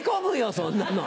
そんなの。